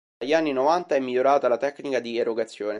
Dagli anni novanta è migliorata la tecnica di erogazione.